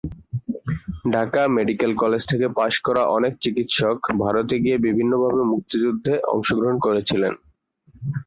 Dhaka medical college থেকে পাশ করা অনেক চিকিৎসক ভারতে গিয়ে বিভিন্নভাবে মুক্তিযুদ্ধে অংশগ্রহণ করেছিলেন।